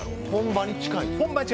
本場に近い。